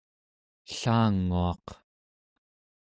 ellanguaq